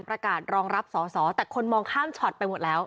ประกาศรองรับสอสอแต่คนมองข้ามช็อตไปหมดแล้ว